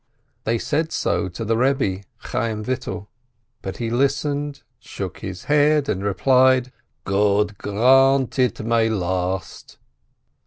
They said so to the Eebbe, Chayyim Vital, but he listened, shook his head, and replied, "God grant it may last.